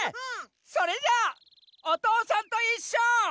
それじゃ「おとうさんといっしょ」。